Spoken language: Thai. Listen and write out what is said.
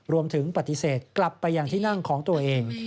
รวมถึงปฏิเสธกลับไปอย่างที่นั่งของตัวเอง